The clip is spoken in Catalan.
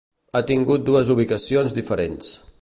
Ha tingut dues ubicacions diferents.